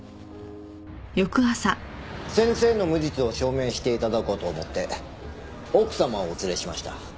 先生の無実を証明していただこうと思って奥様をお連れしました。